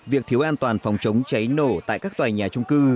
việc thiếu an toàn phòng chống cháy nổ tại các tòa nhà trung cư